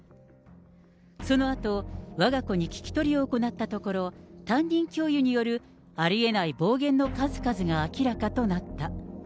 そのあと、わが子に聞き取りを行ったところ、担任教諭によるありえない暴言の数々が明らかとなった。